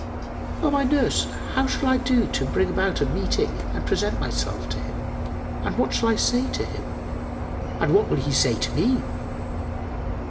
O my nurse, how shall I do to bring about a meeting and present myself to him, and what shall I say to him and what will he say to me?"